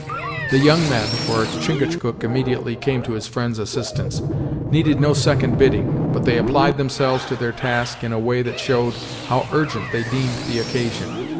The young men for Chingachgook immediately came to his friend's assistance needed no second bidding, but they applied themselves to their task in a way that showed how urgent they deemed the occasion.